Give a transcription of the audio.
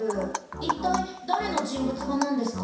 一体だれの人物画なんですか？